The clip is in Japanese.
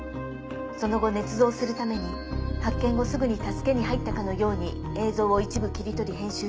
その後捏造するために発見後すぐに助けに入ったかのように映像を一部切り取り編集しました。